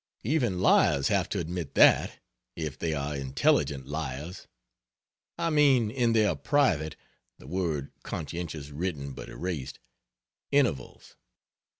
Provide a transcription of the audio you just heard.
Even liars have to admit that, if they are intelligent liars; I mean in their private [the word conscientious written but erased] intervals.